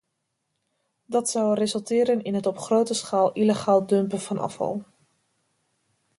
Dat zou resulteren in het op grote schaal illegaal dumpen van afval.